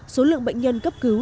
số lượng bệnh nhân cấp cứu